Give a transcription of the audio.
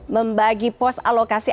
membagi pos alokasi